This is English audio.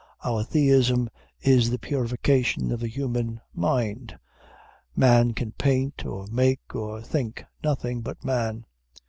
Our theism is the purification of the human mind. Man can paint, or make, or think nothing but man.